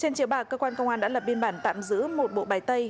trên chiếu bạc cơ quan công an đã lập biên bản tạm giữ một bộ bài tay